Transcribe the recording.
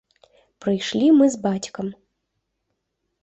Прыйшлі мы з бацькам.